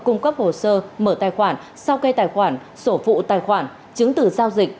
cung cấp hồ sơ mở tài khoản sao cây tài khoản sổ phụ tài khoản chứng tử giao dịch